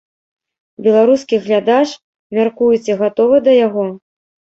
Беларускі глядач, мяркуеце, гатовы да яго?